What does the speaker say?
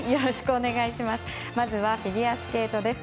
まずはフィギュアスケートです。